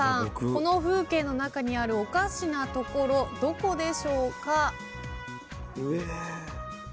この風景の中にあるおかしなところどこでしょうか？